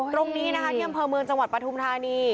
ตรงนี้นะคะเนียมเผอร์เมืองจังหวัดปทุมธานี